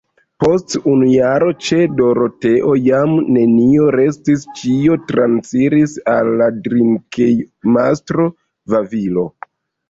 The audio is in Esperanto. Post unu jaro ĉe Doroteo jam nenio restis ĉio transiris al la drinkejmastro Vavilo.